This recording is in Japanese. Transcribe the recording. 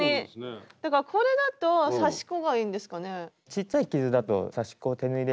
これだと刺し子がいいんですかね？